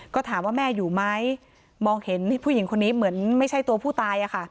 ก็ถามว่าแม่อยู่ไหมมองเห็นผู้หญิงคนนี้เหมือนไม่ใช่ตัวผู้ตาย